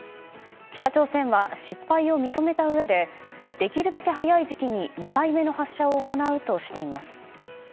北朝鮮は、失敗を認めたうえでできるだけ早い時期に２回目の発射を行うとしています。